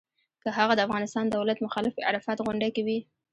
که هغه د افغانستان دولت مخالف په عرفات غونډۍ کې و.